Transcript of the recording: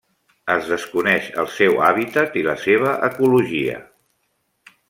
Es desconeix el seu hàbitat i la seva ecologia.